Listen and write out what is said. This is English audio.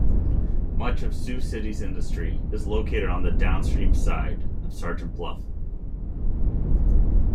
Much of Sioux City's industry is located on the downstream side of Sergeant Bluff.